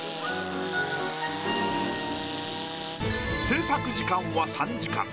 制作時間は３時間。